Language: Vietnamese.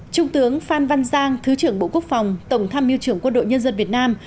trung tướng phan văn giang thứ trưởng bộ quốc phòng tổng tham mưu trưởng quân đội nhân dân việt nam